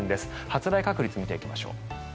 発雷確率を見ていきましょう。